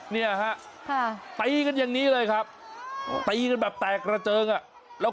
เนี่ยฮะ